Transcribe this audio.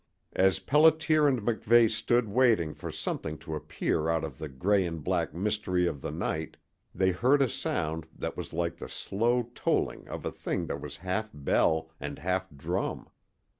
As Pelliter and MacVeigh stood waiting for something to appear out of the gray and black mystery of the night they heard a sound that was like the slow tolling of a thing that was half bell and half drum.